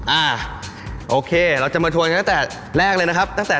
อ่าโอเคเราจะมาทวนตั้งแต่